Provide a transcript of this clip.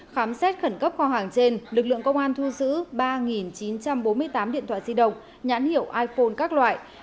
khám xét khẩn cấp kho hàng trên lực lượng công an thu giữ ba chín trăm bốn mươi tám điện thoại di động nhãn hiệu iphone các loại